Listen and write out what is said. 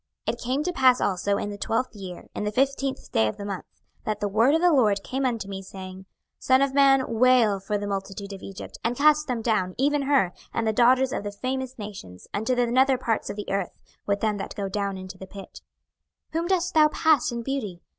26:032:017 It came to pass also in the twelfth year, in the fifteenth day of the month, that the word of the LORD came unto me, saying, 26:032:018 Son of man, wail for the multitude of Egypt, and cast them down, even her, and the daughters of the famous nations, unto the nether parts of the earth, with them that go down into the pit. 26:032:019 Whom dost thou pass in beauty?